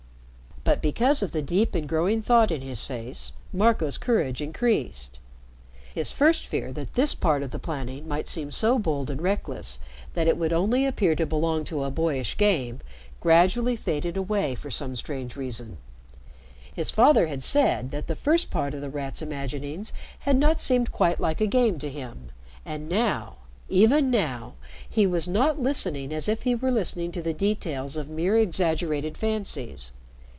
But, because of the deep and growing thought in his face, Marco's courage increased. His first fear that this part of the planning might seem so bold and reckless that it would only appear to belong to a boyish game, gradually faded away for some strange reason. His father had said that the first part of The Rat's imaginings had not seemed quite like a game to him, and now even now he was not listening as if he were listening to the details of mere exaggerated fancies.